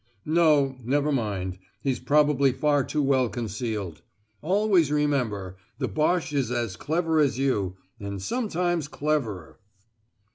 "No. Never mind; he's probably far too well concealed. Always remember the Boche is as clever as you, and sometimes cleverer."